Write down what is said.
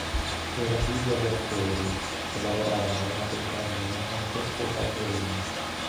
Era figlia di attori, che lavoravano nella compagnia Francesco Calderoni.